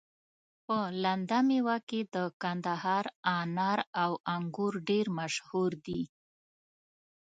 په لنده ميوه کي د کندهار انار او انګور ډير مشهور دي